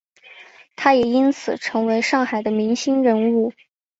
他也因此成为上海的明星人物。